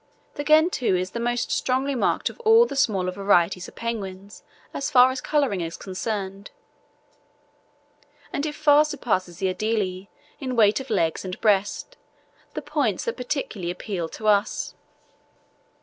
The gentoo is the most strongly marked of all the smaller varieties of penguins as far as colouring is concerned, and it far surpasses the adelie in weight of legs and breast, the points that particularly appealed to us.